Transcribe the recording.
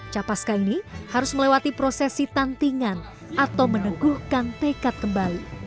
capaska ini harus melewati prosesi tantingan atau meneguhkan tekad kembali